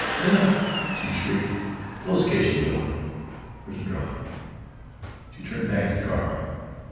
"Lena!" she shrieked, "close the kitchen door. There's a draught." She turned back to Carl.